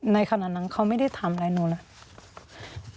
ในขณะนั้นเขาไม่ได้ทำอะไรหนูเลย